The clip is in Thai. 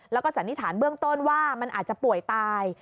แล้วก็สันนิษฐานเบื้องต้นว่ามันอาจจะป่วยตาย